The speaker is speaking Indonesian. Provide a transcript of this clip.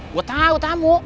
gue tau tamu